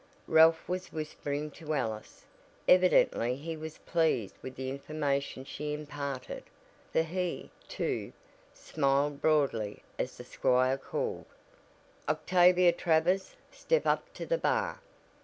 Ralph was whispering to Alice. Evidently he was pleased with the information she imparted, for he, too, smiled broadly as the squire called: "Octavia Travers, step up to the bar!"